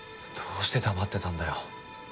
どうして黙ってたんだよ？